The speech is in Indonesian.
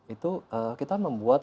itu kita membuat